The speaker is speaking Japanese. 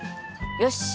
よし。